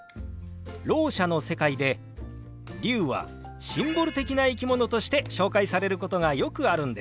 ろう者の世界で龍はシンボル的な生き物として紹介されることがよくあるんです。